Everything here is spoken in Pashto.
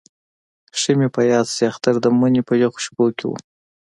ښه مې په یاد شي اختر د مني په یخو شپو کې وو.